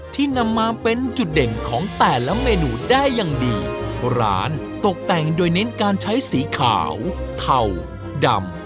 ที่นำมาเป็นจุดเด่นของแต่ละเมนูได้อย่างดีร้านตกแต่งโดยเน้นการใช้สีขาวเทาดำ